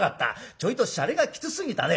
ちょいとしゃれがきつすぎたね。